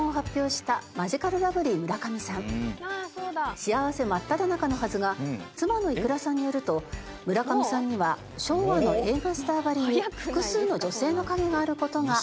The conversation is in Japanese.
幸せ真っただ中のはずが妻のいくらさんによると村上さんには昭和の映画スターばりに複数の女性の影がある事が明らかになりました。